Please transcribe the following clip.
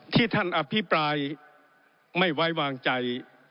ที่ท่านอภิปรายไม่ไว้วางใจ